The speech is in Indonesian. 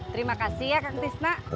terima kasih ya kang tisna